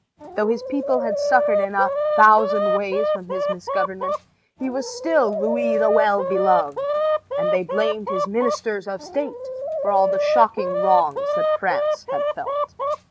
Though his people had suffered in a thousand ways from his misgovernment, he was still Louis the Well Beloved, and they blamed his ministers of state for all the shocking wrongs that France had felt.